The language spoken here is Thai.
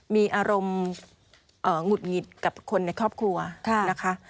มีอารมณ์หงุดหงิดกับคนในครอบครัวนะคะ